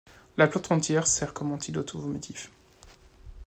La plante entière sert comme antidote ou vomitif.